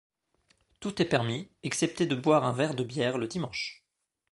Tout est permis, excepté de boire un verre de bière le dimanche.